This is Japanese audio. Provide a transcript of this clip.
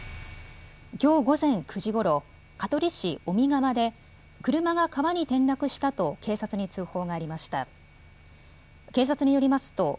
きょう午前９時ごろ、香取市小見川で車が川に転落したと警察に通報がありました。